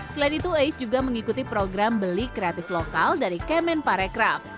selain itu ais juga mengikuti program beli kreatif lokal dari kemen parekraf